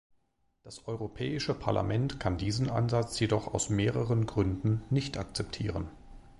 Das Europäische Parlament kann diesen Ansatz jedoch aus mehreren Gründen nicht akzeptieren.